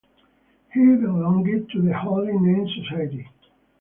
He belonged to the Holy Name Society.